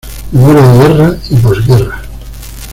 Memoria de guerra y posguerra".